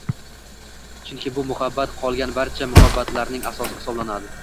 Chunki bu muhabbat qolgan barcha muhabbatlarning asosi hisoblanadi